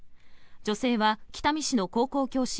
女性は北見市の高校教師